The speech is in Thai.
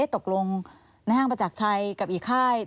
ตกลงในห้างประจักรชัยกับอีกค่าย